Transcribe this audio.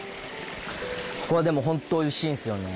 ここはでも本当おいしいんですよね。